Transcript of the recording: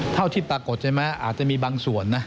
เท่าที่ปรากฏใช่ไหมอาจจะมีบางส่วนนะ